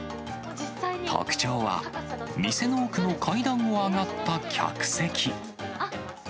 特徴は、店の奥の階段を上がった客席。